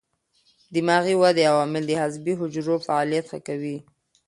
دماغي ودې عوامل د عصبي حجرو فعالیت ښه کوي.